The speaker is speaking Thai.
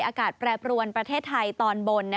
อากาศแปรปรวนประเทศไทยตอนบน